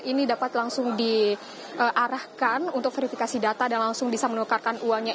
ini dapat langsung diarahkan untuk verifikasi data dan langsung bisa menukarkan uangnya